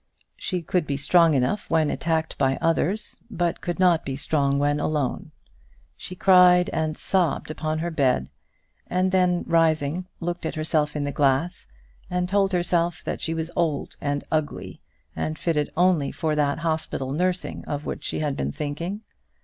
She could be strong enough when attacked by others, but could not be strong when alone. She cried and sobbed upon her bed, and then, rising, looked at herself in the glass, and told herself that she was old and ugly, and fitted only for that hospital nursing of which she had been thinking.